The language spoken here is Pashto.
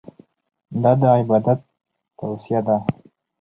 دا د عبادت توصیه ده.